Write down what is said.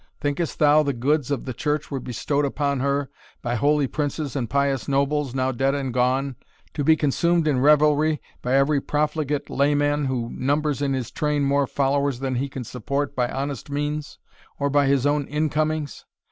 Think'st thou the goods of the church were bestowed upon her by holy princes and pious nobles, now dead and gone, to be consumed in revelry by every profligate layman who numbers in his train more followers than he can support by honest means, or by his own incomings?